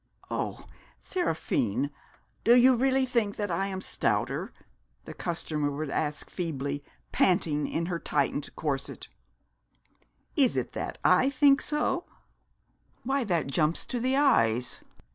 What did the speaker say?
'Oh, Seraphine, do you really think that I am stouter?' the customer would ask feebly, panting in her tightened corset. 'Is it that I think so? Why that jumps to the eyes.